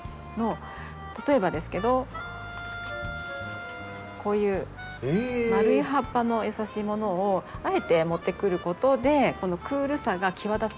例えばですけどこういう丸い葉っぱの優しいものをあえて持ってくることでこのクールさが際立つっていう。